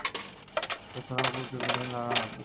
এটি রচনা ও পরিচালনা করেছেন রানা আবরার।